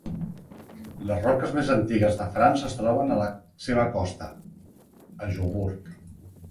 Les roques més antigues de France es troben a la seva costa, a Jobourg.